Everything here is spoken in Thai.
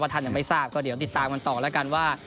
ท่านยังไม่ทราบก็เดี๋ยวติดตามกันต่อแล้วกันว่า